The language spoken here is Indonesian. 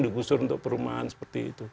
digusur untuk perumahan seperti itu